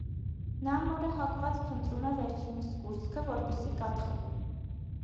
Նա մորը հակված փնտրում է վերջինիս կուրծքը, որպեսզի կաթ խմի։